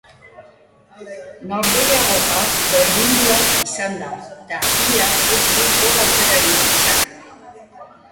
Norgehiagoka berdindua izan da eta ia ez du gol aukerarik izan.